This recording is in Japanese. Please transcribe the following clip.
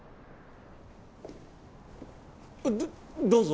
どどうぞ。